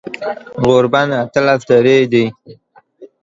غوربند اتلس درې دی